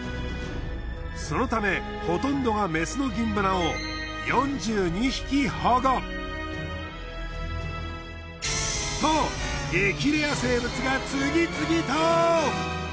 そのためほとんどがメスのギンブナを４２匹保護。と激レア生物が次々と！